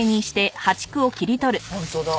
本当だ。